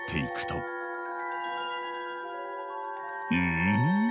うん？